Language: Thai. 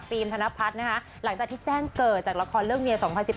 ธนพัฒน์นะคะหลังจากที่แจ้งเกิดจากละครเรื่องเมีย๒๐๑๘